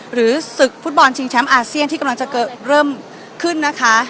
ศึกฟุตบอลชิงแชมป์อาเซียนที่กำลังจะเริ่มขึ้นนะคะ